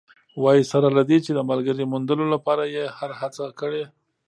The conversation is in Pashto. وايي، سره له دې چې د ملګرې موندلو لپاره یې هره هڅه کړې